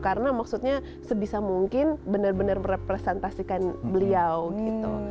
karena maksudnya sebisa mungkin bener bener merepresentasikan beliau gitu